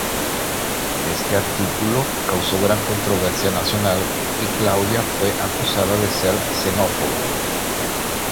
Este artículo causó gran controversia nacional y Claudia fue acusada de ser xenófoba.